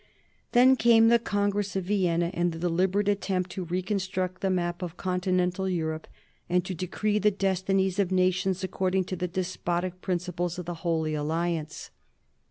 Then came the Congress of Vienna, and the deliberate attempt to reconstruct the map of continental Europe, and to decree the destinies of nations according to the despotic principles of the Holy Alliance.